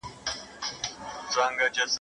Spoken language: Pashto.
اوس ماته کړي توبه واصل که ماته کړي پیاله